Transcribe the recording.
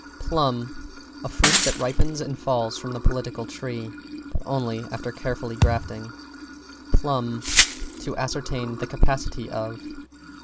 =PLUM= A fruit that ripens and falls from the Political Tree but only after careful grafting. =PLUMB= To ascertain the capacity of.